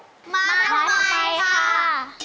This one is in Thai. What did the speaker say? มาทำไมคะ